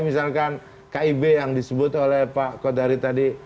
misalkan kib yang disebut oleh pak kodari tadi